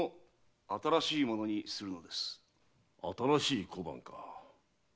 新しい小判か。